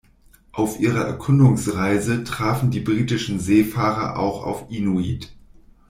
Auf ihrer Erkundungsreise trafen die britischen Seefahrer auch auf Inuit.